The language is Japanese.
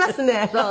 そう？